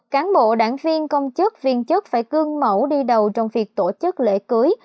cán bộ đảng viên công chức viên chức phải cương mẫu đi đầu trong việc tổ chức lễ cưới